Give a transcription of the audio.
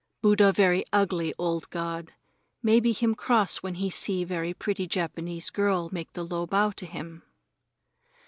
Buddha very ugly old god. Maybe him cross when he see very pretty Japanese girl make the low bow to him.